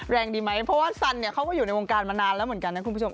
แรงดีไหมเพราะว่าสันเนี่ยเขาก็อยู่ในวงการมานานแล้วเหมือนกันนะคุณผู้ชม